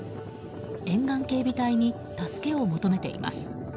沿岸警備隊に助けを求めています。